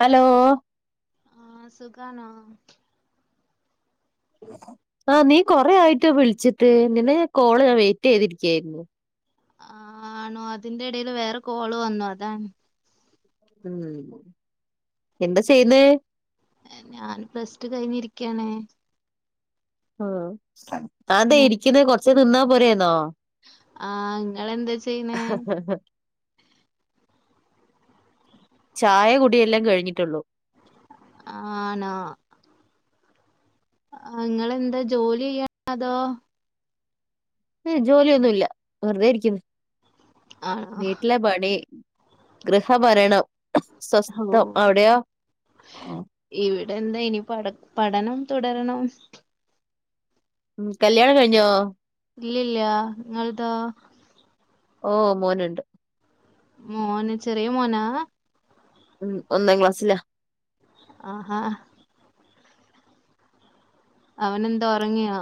Hello ആഹ സുഖാണോ ആ നീ കൊറെ ആയിട്ട് വിളിച്ചിട്ട് നിന്നെ ഞാൻ കോള് ഞാൻ വെയിറ്റ് ചെയ്തിരിക്കായിരുന്നു ആ ആണോ അതിന്റെ ഇഡേൽ വേറെ കോള് വന്നു അതാ ഉം എന്താ ചെയ്യുന്ന ഞാൻ പ്ലസ് ടു കഴിഞ്ഞിരിക്കാണ് ആ അന്താ ഇരിക്കുന്ന കൊറച്ച നിന്നാ പോരന്നോ ആഹ ഇങ്ങളെന്താ ചെയ്യുന്നേ ചായ കുടിയെല്ലാം കഴിഞ്ഞിട്ടുള്ളൂ ആണോ ആ ഇങ്ങളെന്താ ജോലി ചെയ്യാണോ അതോ ജോലിയൊന്നുല്ല വെറുതെ ഇരിക്കുന്നു ആണോ വീട്ടിലെ പണി ഗൃഹഭരണം ഓ സ്വസ്തം അവിടെയോ ടെ എന്താ ഇനി പഠ പഠനം തുടരണം ഉം കല്യാണം കഴിഞ്ഞോ ഇല്ല ഇല്ല ഇങ്ങൽതോ ഓ മോനുണ്ട് മോന ചെറിയ മോനാ ഉം ഒന്നാം ക്ലാസ്സിലാ ആഹാ അവനെന്താ ഒറങ്ങിയോ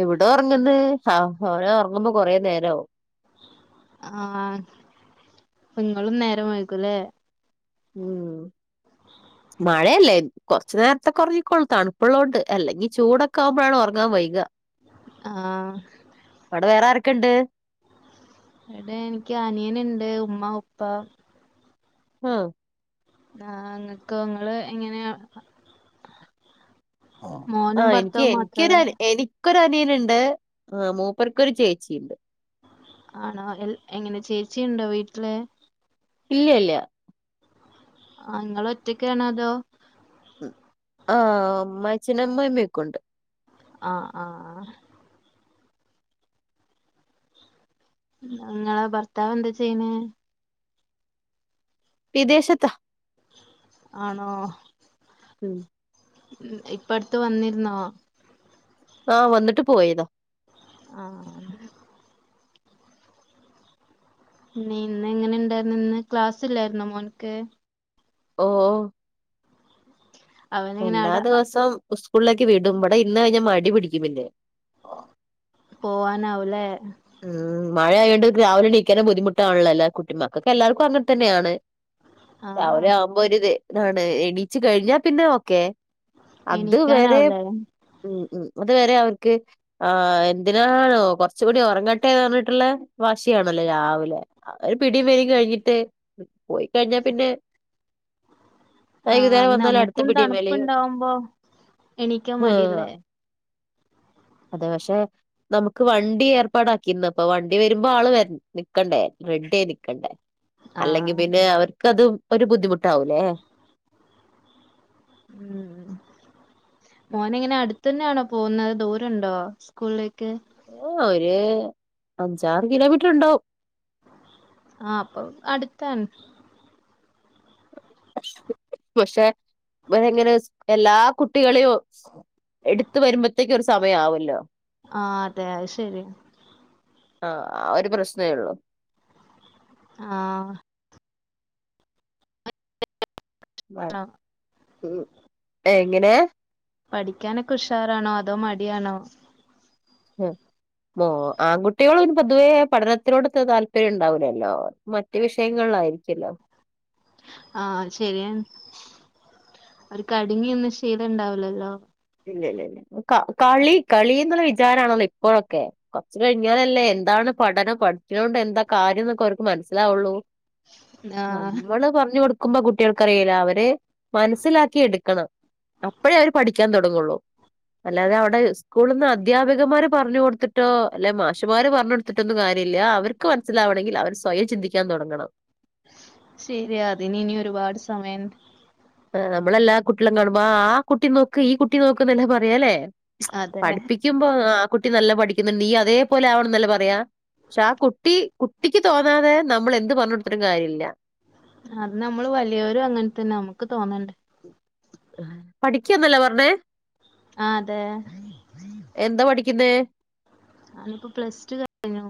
എവിട ഉറങ്ങുന്ന് ആ അവന് ഓറങ്ങുമ്പോ കൊറേ നേരവും ആഹ നിങ്ങളും നേരം വെഴുകുംലേ ഉമം മഴയല്ലേ കുറച്ചു നേരത്തെ ഒറങ്ങിക്കോളും തണുപ്പുള്ളതോണ്ട് അല്ലെങ്കിൽ ചൂടൊക്കെ ആകുമ്പോഴാണ് ഒറങ്ങാൻ വൈകുക ആ അ വേറെ ആരക്കെ ഇണ്ട് ഇവിടെ എനിക്ക് അനിയനണ്ട് ഉമ്മ ഉപ്പ ആ ആഇങ്ങക്കോ ഇങ്ങൾ എങ്ങനെയ ആ ഭർത്താവും മാത്രേ എനികോഎനിക്ക് എനി എനിക്ക് ഒരു അനിയനുണ്ട് ആ മൂപ്പർക്ക്കൊരു ചേച്ചിയുണ്ട് ആണോ എ എങ്ങനെ ചേച്ചീണ്ടോ വീട്ടില് ഇല്ല യില്ല അ നിങ്ങൾ ഒറ്റക്കണോ അതോ ആ അ അമ്മായിച്ചൻഅമ്മായിമയൊക്കെ ഇണ്ട് അ അ ആ ഇങ്ങളെ ഭർത്താവ് എന്താ ചെയ്ണ് വിദേശത്ത ആണോ ഉം ഇം ഇപ്പ അടുത്ത വന്നിരുന്നോ ആഹ വന്നിട്ട് പോയതാ ആ അ ഇ നിഇന്ന് എങ്ങനെ ഇണ്ടായിരുന്നു ഇന്ന് ക്ലാസില്ലായിന്നോ മോൻക്ക് ഓഹ് അവനിങ്ങനെ അവിടെ എല്ലാംദിവസവും സ്കൂളിലേക്ക് വിടും ഇബടെ ഇര്ന്ന് കഴിഞ്ഞാൽ മടി പിടിക്കും പിന്നെ പോവാനാവൂലേ ഉം മഴയായകൊണ്ട് രാവിലെ എണീക്കാൻ ബുദ്ധിമുട്ടാണല്ലോ എല്ല കുട്ടി മക്കൊക്കെ എല്ലാവർക്കും അങ്ങനെ തന്നെയാണ് ആഹ് രാവിലെ ആവുമ്പോ ഒരു ഇത് ഇതാണ് എണീച്ച് കഴിഞ്ഞാ പിന്നെ ഓക്കെ അത് വേറെ എണീക്കാനാവൂലേ ഉം ഉം അതുവരെ അവർക്ക് ആ എന്തിനാണോ കുറച്ചു കൂടി ഒറക റങ്ങട്ടെ പറഞ്ഞിട്ടുള്ള വാശിയാണല്ലോ രാവിലെ അവര് പിടിയും വലീം കഴിഞ്ഞിട്ട് പോയി കഴിഞ്ഞാ പിന്നെ ആഹ് വൈകുന്നേരം അത് വന്നൽ അടുത്ത നമ്മുക്കും പിടീം വലിം തണുപ്പുണ്ടാവുമ്പോ എണീക്കാൻ മടിയല്ലേ അതെ പക്ഷെ നമുക്ക് വണ്ടി ഏർപ്പാടാക്കിന്ന് അപ്പൊ വണ്ടി വരുമ്പോ ആള് നിക്കണ്ടേ റെഡിയായി നിക്കണ്ടേ അല്ലെങ്കി ആഹ് ൽപിന്നെ അവർക്ക് അത് ഒരു ബുദ്ധിമുട്ടാവൂലേ ഇമ് മോനെ എങ്ങനെ അടുത്തന്നെയാണോ പോകുന്നത് ദൂരം ഉണ്ടോ സ്കൂളിലേക്ക് ഒ ഒരു അഞ്ചാറ് കിലോമീറ്റർ ഉണ്ടാവും ആ അപ്പൊ അടുത്താണ് പക്ഷെ ഇവനങ്ങ എല്ലാ കുട്ടികളെം എടുത്തു വരുമ്പോത്തേക്ക് ഒരു സമയം ആവല്ലോ ആ അതെ അത് ശെരി അ ആഒരു പ്രശ്നേയുള്ളു ആ വഴ് മ് എങ്ങനെ പഠിക്കാനൊക്കെ ഉഷാറാണോ അതോ മടിയാണോ മോ ആൺകുട്ട്യോള് പിന്നെപൊതുവേ പഠനത്തിനോട് താല്പര്യം ഉണ്ടാവൂലല്ലോ മറ്റ് വിഷയങ്ങ ളായിരിക്കല്ലോ ആ ശെരിയാണ് ഓര് ക് അടങ്ങിയിന്ന് ശീലണ്ടാവുലല്ലോ ഇല്യ ഇല്യ ഇല്യ കളി കളി ന്നുള്ളവിചാരാണല്ലോ ഇപ്പോഴൊക്കെ കൊറച്ച് കഴിഞ്ഞാലല്ലേ എന്താണ് പഠനം പഠിച്ചത് കൊണ്ട് എന്താ കാര്യം ന്നൊക്കെ അവർക്ക് മനസ്സിലാവൊള്ളൂ ആഹ് നമ്മള് പറഞ്ഞ് കൊടു ക്കുമ്പോ കുട്ടികൾക്കറിയില്ല അവര് മനസ്സിലാക്കി എടുക്കണം അപ്പോഴേ അവര് പഠി ക്കാൻ തൊടങ്ങുള്ളൂ അല്ലാതെ അവിടെ സ്കൂള്ന്ന് അധ്യാപികമാര് പറഞ്ഞു കൊടുത്തിട്ടോ അല്ലെ മാഷുമാര് പറഞ്ഞ് കൊടുത്തിട്ടൊന്നും കാര്യമില്ല അവർക്ക് മനസ്സിലാവണെങ്കിൽ അവൻ സ്വയം ചിന്തിക്കാൻ തൊടങ്ങണം ശരിയാതിനിനി ഒരുപാട് സമയം ആ്നമ്മളെല്ലാ കുട്ടികളേം കാണുമ്പോ ആ കുട്ടി നോക്ക് ഈ കുട്ടി നോക്ക് ന്നല്ലെ പറയാല്ലേ അതെ പഠിപ്പിക്കുമ്പോ ആ കുട്ടി നല്ല പഠിക്കുന്നുണ്ട് നീ അതേപോലെ ആവണം എന്നല്ലെ പറയാ പക്ഷെ ആ കുട്ടി കുട്ടിക്ക് തോന്നാതെ നമ്മൾ എന്ത് പറഞ്ഞ കൊടുത്തിട്ടും കാര്യല്ല അത് നമ്മള് വലിയരും അങ്ങനെ തന്നെ നമുക്ക് തോന്നണ്ട് പഠിക്കന്നല്ലേ പറഞ്ഞേ ആ അതെ എന്താ പഠിക്കുന്നെ ഞാനിപ്പോ പ്ലസ് റ്റു കഴിഞ്ഞു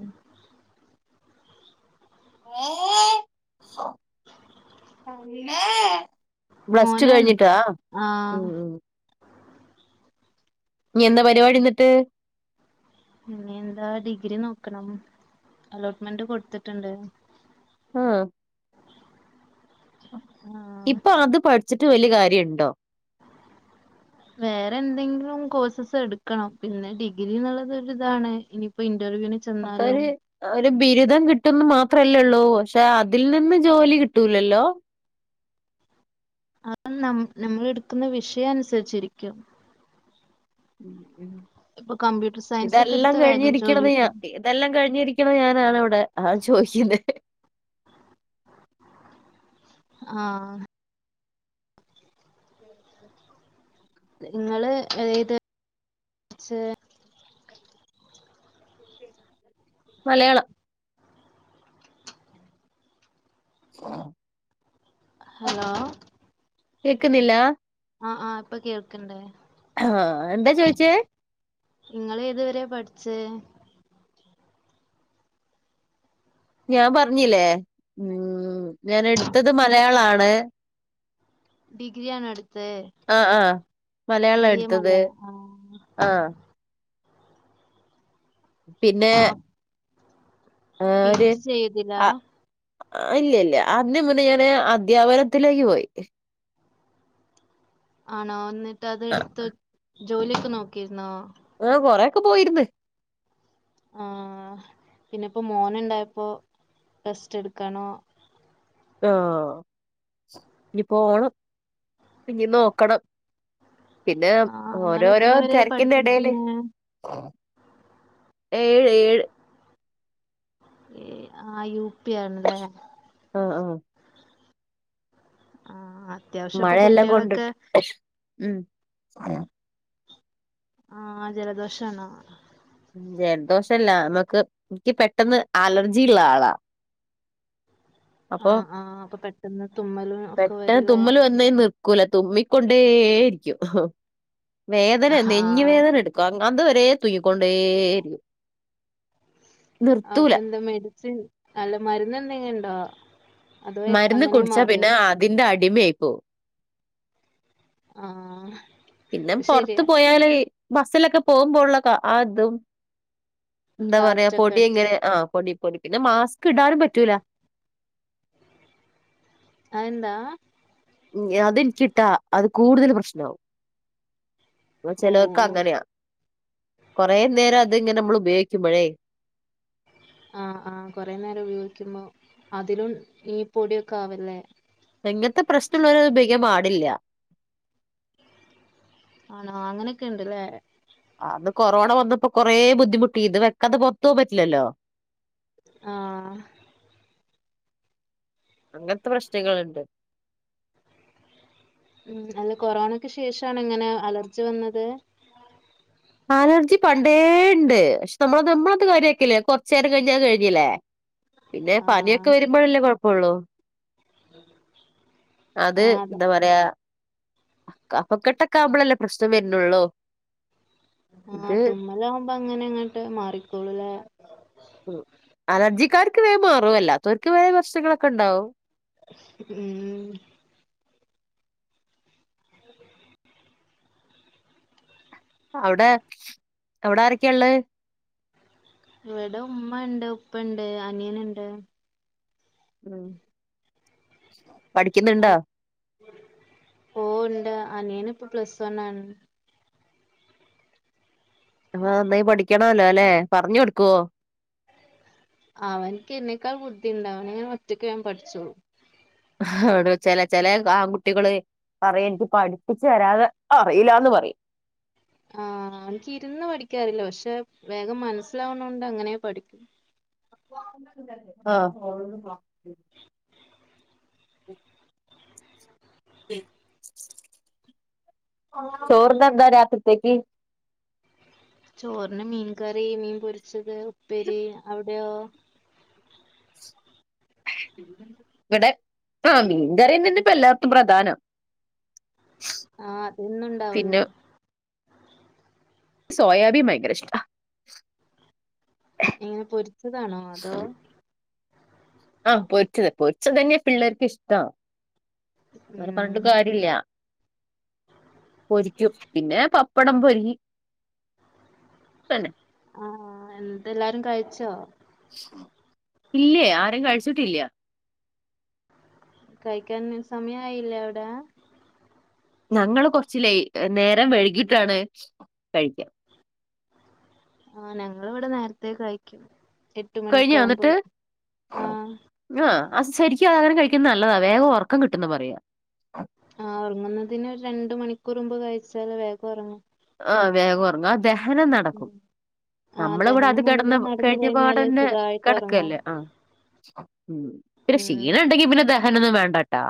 ഏ പ്ലസ്‌റ്റു മോനാണ് കഴിഞ്ഞിട്ടാ ആ മ് ആഹ് മ് ഇനി എന്താ പരിപാടി എന്നിട്ട് ഇനി എന്താ ഡിഗ്രി നോക്കണം അലോട്ട്മെന്റ് കൊട്ത്ത്ട്ട്ണ്ട് ആഹ ആഹ് ഇപ്പൊ അത് പഠിച്ചിട്ട് വലിയ കാര്യണ്ടോ വേറെ എന്തെങ്കിലും കോഴ്സസ് എടുക്കണം പിന്നെ ഡിഗ്രി ന്ന്ള്ളതൊര് താണ് ഇനിയിപ്പോ- ഇന്റർവ്യുന് അപ്പൊ ചെന്നാലോ ഒരു ഒരു ബിരുദം കിട്ടുന്ന് മാത്രല്ലൊള്ളൂ പക്ഷെ അതിൽ നിന്ന് ജോലി കിട്ടൂലല്ലോ ആ നം നമ്മൾെടുക്കുന്ന വിഷയം അനുസരിച്ചിരിക്കും ഉം ഇപ്പൊ ക- ഇതെല്ലാം കഴിഞ്ഞിരിക്ക്ണത് ഞാ ഇതെല്ലാം കഴിഞ്ഞിരിക്കണ ഞാനാണവിടെ ആ ചോദിക്കുന്നത് ആഹ [inaudible] നിങ്ങള് ഏത് വരെ പഠിച്ചത് മലയാളം ആഹ ഹലോ കേക്കുന്നില്ല ആഹ് ആഹ് ഇപ്പൊ കേൾക്ക്ണ്ട് ആഹ എന്താ ചോയിച്ചേ നിങ്ങള് ഏതുവരെ പഠിച്ചേ ഞാൻ പറഞ്ഞില്ലേ ഉം ഉ ഞാൻ എടുത്തത് മലയാളാണ് ഡഗ്രിയാണോട്തേ ആ ആ മലയാളം എടുത്തത് ആഹ് പിന്നെ ആഹ് പി ജി ചെയ്ത്നാ അഹ് ഇല്ല ഇല്ല അതിന് മുന്നേ ഞാന് അധ്യാപനത്തിലേക്ക് പോയി ആണോ എന്നിട്ട് അത് ആ എടുത്ത് ജോലിയൊക്കെ നോക്കിയിരുന്നോ ആഹ് കൊറെൊക്കെ പോയിര്ന്ന് ആഹ് പിന്നെപ്പോ മോനുണ്ടായപ്പോ ടെസ്റ്റ് എടുക്കാനോ ആഹ് ഇനി പോണം ഇനി നോക്കണം പിന്നെ ആഹ് നിങ്ങള് ഓരോരോ എത്ര വരെ തെര്കിന്റെടേല് പഠിപ്പിക്കുന്നെ ഏഴ് ഏഴ് ആഹ് യുപിയാണ്ലെ ആഹ് ആഹ് ആഹ് ഹാ മഴയെല്ലം കൊണ്ടിട്ട് [unintelligible] ആഹ് ജലദോഷാണോ ജലദോഷല്ല മ്മക്ക് ന്ക്കി പെട്ടെന്ന് അലർജി ഇള്ള ആളാ അപ്പൊ ആഹ് ആഹ് അപ്പൊ പെട്ടെന്ന് തുമ്മലും ഒക്കെ വരുല്ലേ കുല തുമ്മിക്കൊണ്ടേയിരിക്കും വേദന നെഞ് ആഹ് വേദന എടുക്കും അങ്ങ- അതുവരേ തൂയിക്കൊണ്ടെയിരിക്കും അപ്പൊ എന്താ മെഡിസിൻ അല്ല മരുന്ന് എന്തെങ്കി ണ്ടോ മരുന്ന് കുടിച്ച പിന്നെ അതിന്റെ അടിമയായ്പോ ആഹ് പിന്നെ പൊർത് ശരിയാ പോയാല് ബസ്സിലൊക്കെ പോകുമ്പോ ഉള്ള ആഹ് ഇതും എന്താ പറയാ കാറ്റൊക്കെ പൊടി അടിച്ച് എങ്ങനെ ആഹ് പൊടി പിന്നെ മാസ്ക് ഇടാനും പറ്റൂല അതന്താ [unintelligible] അതിൻക്കിട്ടാ അത് കൂടുതൽ പ്രശ്നാവും ചെലോർക്ക് ഓഹ് അങ്ങനെയ കൊറ നേരം അത്ങ്ങനെ നമ്മൾ ഉപയോഗിക്കുമ്പോഴേ ആഹ് ആഹ് കുറെേ നേരം ഉപയോഗിക്കുമ്പോ അതിലും ഈ പൊടിയൊക്കെ ആവല്ലേ ഇങ്ങത്തെ പ്രശ്നള്ളോര് അത് ഉപയോഗിക്കാൻ പാടില്ല ആണോ അങ്ങനൊക്കെ ഉണ്ട്ല്ലേ അന്ന് കൊറോണ വന്നപ്പോ കൊറെ ബുദ്ധിമുട്ടി ഇത് വെക്കാെതെ പൊർത്ത്പോവാം പറ്റില്ലല്ലോ ഉം. അങ്ങനത്തെ പ്രശ്നങ്ങള്ണ്ട് ഉം അല്ല കൊറോണക്ക് ശേഷണ് ഇ ങ്ങനെ അലർജി വന്നത് അലർജി പണ്ടേ ണ്ട് പക്ഷെ നമ്മളത് കാര്യക്കില്ല കൊറച്ച് നേരം കഴിഞ്ഞ കഴിഞ്ഞില്ലേ പിന്നെ പനിയൊക്കെ ആഹ് വരുമ്പോഴല്ലേ കുഴപ്പംള്ളൂ അത് ആഹ് അതെ ന്താപറയാ കഫക്കെട്ട് ആവുമ്പോളല്ലേ പ്രശ്നം വര്ണുള്ളൂ ആഹ് തുമ്മലാവകുമ്പോ അങ്ങനെ അങ്ങട്ട് മാറിക്കോളൂല്ലേ അലർജിക്കാർക്ക് വേം മാറും അല്ലാത്തവർക്ക് വേറെ പ്രശ്നങ്ങളൊക്കെ ഉണ്ടാവും ഉം അവടെ അവടെ ആരൊക്കെയ്ള്ളെ ഇവിടെ ഉമ്മ ണ്ട് ഉപ്പ ണ്ട് അനിയന്ണ്ട് ഉം പഠിക്കുന്നുണ്ടോ ഓ ണ്ട് അനിയനിപ്പൊ പ്ലസ് വണ്ണാണ് ആഹ് നന്നായി പഠിക്കണല്ലോല്ലെ പറഞ്ഞ് കൊടുക്കോ അവൻക്ക് ഇന്നേക്കാൾ ബുദ്ധിണ്ട് അവന്നെനെ ഒറ്റയ്ക്ക് പഠിച്ചോളും [unintelligible] ചെല ചെല ആൺകുട്ടികള് [unintelligible] പഠിപ്പിച്ച് തരാതെ അറിയില്ലാന്ന് പറയ് ആ. ആ ഇൻക്ക് ഇരുന്ന് പഠിക്കാറില്ല പക്ഷെ വേഗം മനസ്സിലാവണോണ്ട് അങ്ങനെ പഠിക്കു ആ ചോർനെന്താ രാത്രിത്തേക്ക്? ചോറിന് മീൻ കറി മീൻ പൊരിച്ചത് ഉപ്പേരി അവിടെയോ? വടെ ആ മീൻകറിനന്നല്ലേ ഇപ്പ എല്ലാട്ത്തും പ്രധാനം. ആ അതൊന്നും ഇണ്ടാവ്‌ലാ സോയാബി ഭയങ്കര ഇഷ്ട എങ്ങനെ പൊരിച്ചതാണോ അതോ ആ പൊരിച്ചത് പൊരിച്ചത് തന്നെയാ പിള്ളേർക്ക് ഇഷ്ടാ. അവരെ ഉം പറഞ്ഞിട്ടും കാര്യല്ലാ പൊരിക്കും. പിന്നെ പപ്പടം പൊരി തന്നെ. ആ എന്തെല്ലാരും കഴിച്ചോ? ഇല്ലേ ആരും കഴിച്ചിട്ടില്ല. കഴിക്കാൻ സമയായില്ലേ അവടെ? ഞങ്ങള് കൊർച്ച് ലേയ്റ്റ് നേരം വഴുകിട്ടാണ് കഴിക്കാ. ആ ഞങ്ങളിവടെ നേരത്തേ കഴിക്കും. എട്ട് മണിയൊക്കെ കഴിഞ്ഞാ ന്ന്ട്ട് ആവുമ്പോഴേക്കും ആഹ് ആ അസെരിക്കും ആഹാരം കഴി [unintelligible] നല്ലതാ വേഗം ഉറക്കം കിട്ടും ന്ന് പറയാ. ആ ഉറങ്ങുന്നതിനൊരണ്ട് മണിക്കൂറുമ്പ് കഴിച്ചാൽ വേഗം ഉറങ്ങും. ആ വേഗം ഉറങ്ങ ദഹനം നടക്കും. ഉം ആഹ് നമ്മളിവടെ അത് ദഹനം കെടന്ന മുൻപേ നടന്നു കഴിഞ്ഞപാട കഴിഞ്ഞാല് ന്നെ സുഖായിട്ട് ഉറങ്ങും കടക്കല്ലേ ആ. ഉം പിന്നെ ഉം ക്ഷീണണ്ടെങ്കി പിന്നെ ദഹനൊന്നും വേണ്ടട്ടാ.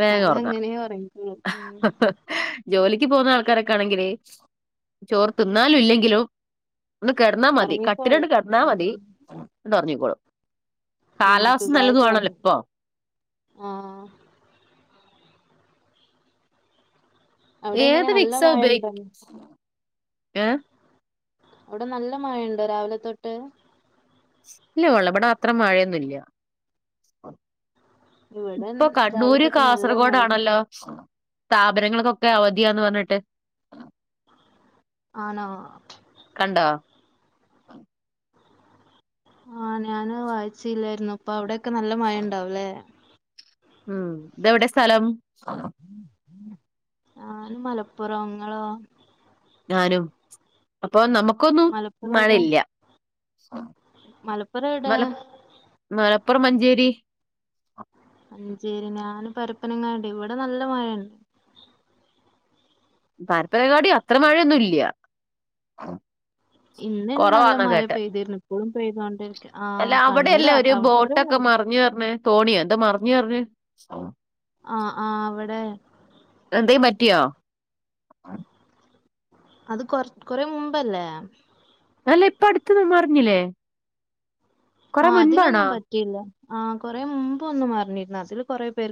വേഗർങ്ങ അതങ്ങനെ ഉറങ്ങിക്കോളും ഉം ജോലി ക്ക്‌ പോന്ന ആൾക്കാരൊക്കെ ആണെങ്കിലേ ചോർ തിന്നാലും ഇല്ലെങ്കിലും ഒന്ന് കെടന്നാൽ മതി കട്ടിലണ്ട് ഉറങ്ങിക്കോളും കിടന്നാൽ മതി ഉം ന്ന ഒർങ്ങിക്കോളും ഉം സുഖായിട്ട പറഞ്ഞെ ഇപ്പൊ ആഹ അവിടെ എങ്ങനെ ഏത് നല്ല വിക്സ മഴ ഉപയോ ഉണ്ടോ [inaudible] ഏ അവടെ നല്ല മഴയുണ്ടോ രാവിലെ തൊട്ട് ഇല്ല ഉള്ളെ ഇവിടെ അത്ര മഴയൊന്നുല്യ ഇവിടെ ഇപ്പൊ രാവിലെ കണ്ണൂര് തൊട്ട് നല്ല മഴയാ കാസർഗോഡണല്ലോ സ് സ്ഥാപനങ്ങൾക്കൊക്കെ അവധിയാ ന്ന് പറഞ്ഞേട്ട് ആണോ [inaudible] ആഹ ഞാന് വായിച്ചില്ലായിരുന്നു ഇപ്പൊ അവിടൊക്കെ നല്ല മഴ ഉണ്ടാവുല്ലേ ഉം ഇതെവിടെ സ്ഥലം ഞാനും മലപ്പുറംങ്ങളോ ഞാനും അപ്പൊ നമുക്കൊന്നും മലപ്പുറം മയ എവിടെ ഇല്ല മലപ്പുറം എവിടെ മലം മലപ്പുറം മഞ്ചേരി മഞ്ചേരി ഞാന് പരപ്പനങ്ങാടി ഇവിടെ നല്ല മയെണ് പരപ്പനങ്ങടി അത്ര മഴയൊന്നു ഇല്യ ഇന്ന് നല്ല മഴ പെയ്തിര്ന്നു ഇപ്പളും പെയ്തോണ്ടിരിക്ക ആ കണ്ണൂർ അ അവിടെ ക്കെ മറിഞ്ഞ് മേ തോണിയ എന്താ മറിഞ്ഞ് റിഞ്ഞ് ആഹ ആ ഇവിടെ എന്തെയും പറ്റിയോ അത് കൊ കൊറെ മുമ്പല്ലേ ഇപ്പ അടുത്ത നമ്മ അറിഞ്ഞില്ലേ ആ അതിലൊന്നും പറ്റില്ല ആ കൊറെ മുമ്പ് ഒന്നും മറിഞ്ഞിരുന്ന അതില് കൊറെ പേർക്ക്